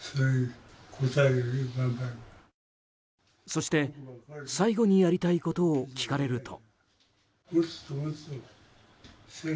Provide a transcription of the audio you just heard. そして、最後にやりたいことを聞かれると。